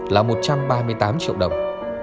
là một trăm ba mươi tám triệu đồng